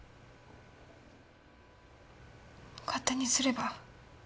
勝手にすれば。